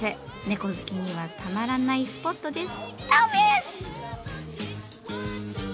猫好きにはたまらないスポットです。